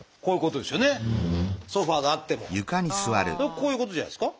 こういうことじゃないですか？